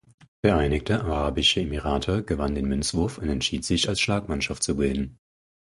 Vereinigte Arabische Emirate gewann den Münzwurf und entschied sich als Schlagmannschaft zu beginnen.